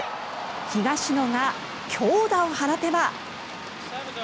東野が強打を放てば。